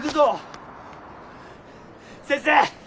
先生！